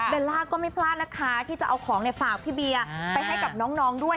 ล่าก็ไม่พลาดนะคะที่จะเอาของฝากพี่เบียร์ไปให้กับน้องด้วย